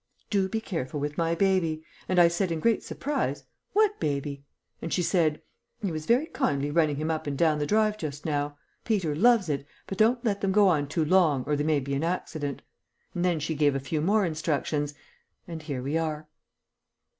"'Do be careful with my baby.' And I said in great surprise, 'What baby?' And she said, 'He was very kindly running him up and down the drive just now. Peter loves it, but don't let them go on too long or there may be an accident.' And then she gave a few more instructions, and here we are."